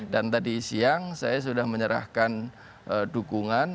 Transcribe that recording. dan tadi siang saya sudah menyerahkan dukungan